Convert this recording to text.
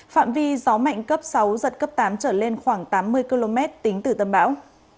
phạm vi gió mạnh cấp sáu giật cấp tám trở lên khoảng tám mươi km tính từ tâm bão